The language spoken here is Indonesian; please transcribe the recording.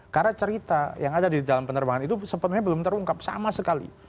karena cerita yang ada di dalam penerbangan itu sepenuhnya belum terungkap sama sekali